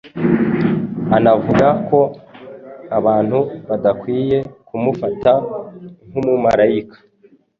Anavuga kandi ko abantu badakwiye kumufata nk'"umumarayika"